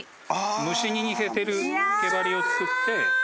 虫に似せてる毛針を作って。